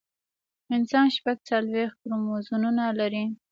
انسان شپږ څلوېښت کروموزومونه لري